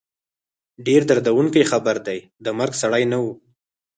ډېر دردوونکی خبر دی، د مرګ سړی نه وو